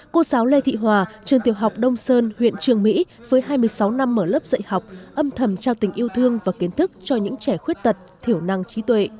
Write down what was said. cô giáo lê thị hòa trường tiểu học đông sơn huyện trường mỹ với hai mươi sáu năm mở lớp dạy học âm thầm trao tình yêu thương và kiến thức cho những trẻ khuyết tật thiểu năng trí tuệ